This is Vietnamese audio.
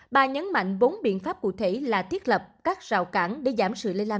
bà nhấn mạnh bốn biện pháp cụ thể là thiết lập các rào cản để giảm sự lây lan